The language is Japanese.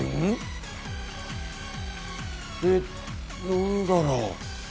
何だろう？